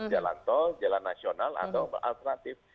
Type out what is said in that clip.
jalan tol jalan nasional atau alternatif